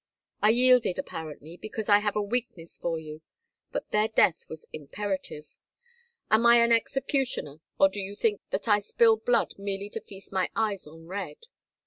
I yielded apparently, because I have a weakness for you. But their death was imperative. Am I an executioner, or do you think that I spill blood merely to feast my eyes on red?